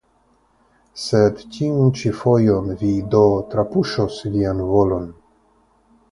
Sed tiun ĉi fojon vi do trapuŝos vian volon?